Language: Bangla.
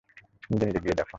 নিজে গিয়ে দেখো।